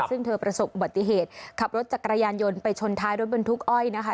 ซึ่งเธอประสบอุบัติเหตุขับรถจักรยานยนต์ไปชนท้ายรถบรรทุกอ้อยนะคะ